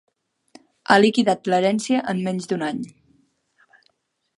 Ha liquidat l'herència en menys d'un any.